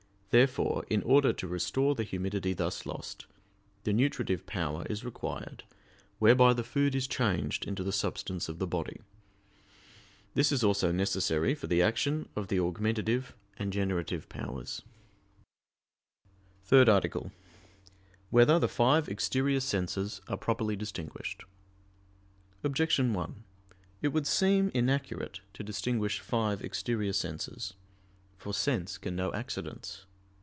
Therefore, in order to restore the humidity thus lost, the nutritive power is required, whereby the food is changed into the substance of the body. This is also necessary for the action of the augmentative and generative powers. _______________________ THIRD ARTICLE [I, Q. 78, Art. 3] Whether the Five Exterior Senses Are Properly Distinguished? Objection 1: It would seem inaccurate to distinguish five exterior senses. For sense can know accidents.